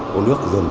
của nước dừng